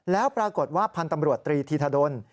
แล้วปรากฏว่าพันธ์ตำรวจตรีธีธดล